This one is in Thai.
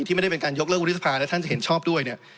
ไม่ได้เป็นการยกเลิกวุฒิสภาและท่านจะเห็นชอบด้วยเนี่ย